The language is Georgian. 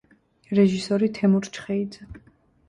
რეჟისორი თემურ ჩხეიძე.